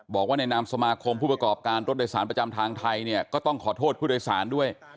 บอกว่าในนามสมาคมผู้ประกอบการรถโดยสารประจำทางไทยเนี่ยก็ต้องขอโทษผู้โดยสารด้วย